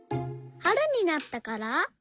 はるになったから？